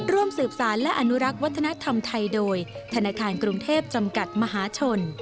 ร่วมสืบสารและอนุรักษ์วัฒนธรรมไทยโดยธนาคารกรุงเทพจำกัดมหาชน